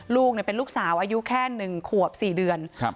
ลูกเนี่ยเป็นลูกสาวอายุแค่หนึ่งขวบสี่เดือนครับ